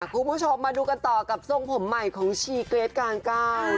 คุณผู้ชมมาดูกันต่อกับทรงผมใหม่ของชีเกรทกลางเก้า